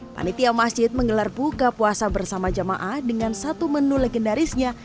panitia masjid menggelar buka puasa bersama jamaah dengan satu menu legendarisnya